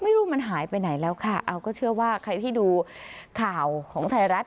ไม่รู้มันหายไปไหนแล้วค่ะเอาก็เชื่อว่าใครที่ดูข่าวของไทยรัฐ